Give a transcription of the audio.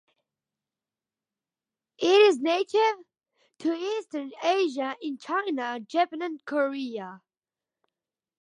It is native to eastern Asia, in China, Japan and Korea.